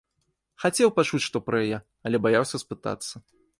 Хацеў пачуць што пра яе, але баяўся спытацца.